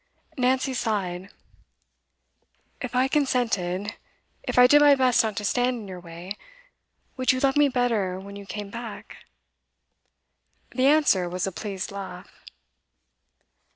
Nancy sighed. 'If I consented if I did my best not to stand in your way would you love me better when you came back?' The answer was a pleased laugh.